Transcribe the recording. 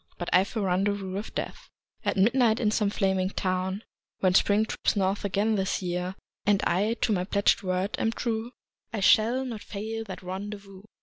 .. But I've a rendezvous with Death At midnight in some flaming town, When Spring trips north again this year, And I to my pledged word am true, I shall not fail that rendezvous.